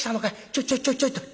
ちょちょちょちょいと」。